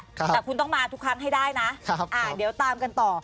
แต่คุณต้องมาทุกครั้งให้ได้นะเดี๋ยวตามกันต่อ